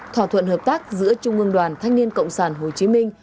thỏa thuận hợp tác giữa trung ương đoàn thanh niên cộng sản hồ chí minh